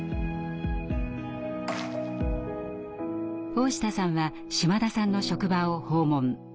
大下さんは島田さんの職場を訪問。